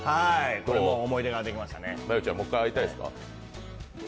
思い出ができましたね。